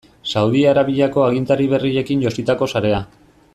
Saudi Arabiako agintari berriekin jositako sarea.